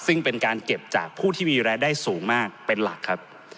ซึ่งเป็นการเก็บจากผู้ที่มีรายได้สูงมากเป็นหลักครับ